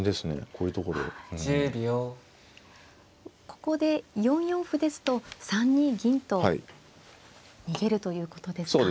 ここで４四歩ですと３二銀と逃げるということですか。